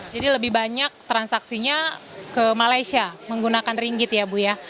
jadi lebih banyak transaksinya ke malaysia menggunakan ringgit ya bu ya